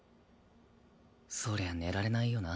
そりゃ寝られないよな